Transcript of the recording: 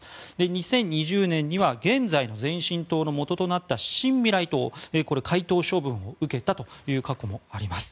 ２０２０年には現在の前進党のもととなった新未来党解党処分を受けたという過去もあります。